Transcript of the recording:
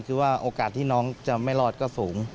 คือว่าโอกาสที่น้องจะไม่รอดก็สูง